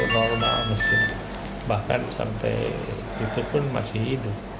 enggak itu normal mesin bahkan sampai itu pun masih hidup